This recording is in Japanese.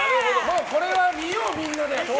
これは見よう、みんなで。